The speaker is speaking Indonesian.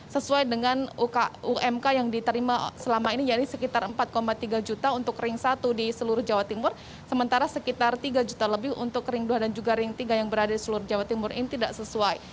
sesuai dengan umk yang diterima selama ini yaitu sekitar empat tiga juta untuk ring satu di seluruh jawa timur sementara sekitar tiga juta lebih untuk ring dua dan juga ring tiga yang berada di seluruh jawa timur ini tidak sesuai